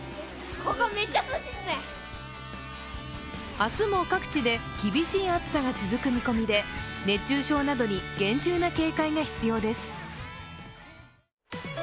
明日も各地で厳しい暑さが続く見込みで熱中症などに厳重な警戒が必要です。